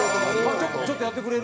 ちょっとやってくれる？